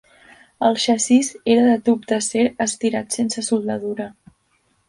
El xassís era de tub d'acer estirat sense soldadura.